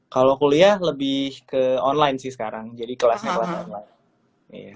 kalau kuliah lebih ke online sih sekarang jadi kelasnya kelas online